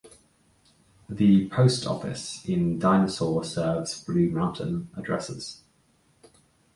The post office in Dinosaur serves Blue Mountain addresses.